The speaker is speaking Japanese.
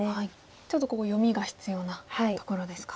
ちょっとここ読みが必要なところですか。